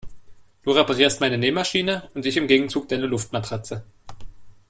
Du reparierst meine Nähmaschine und ich im Gegenzug deine Luftmatratze.